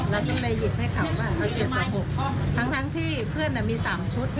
เราก็เลยหยิบให้เขาว่าเอาเจ็ดสองหกทั้งทั้งที่เพื่อนน่ะมีสามชุด